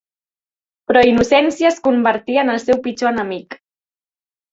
Però Innocenci es convertí en el seu pitjor enemic.